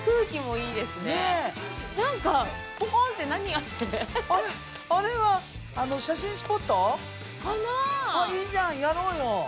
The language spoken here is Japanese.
いいじゃんやろうよ